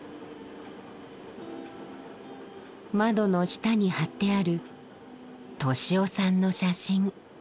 窓の下に貼ってある利雄さんの写真。